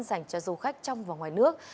dành cho du khách trong và ngoài nước